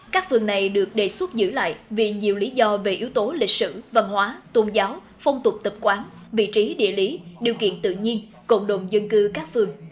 các phường này được đề xuất giữ lại vì nhiều lý do về yếu tố lịch sử văn hóa tôn giáo phong tục tập quán vị trí địa lý điều kiện tự nhiên cộng đồng dân cư các phường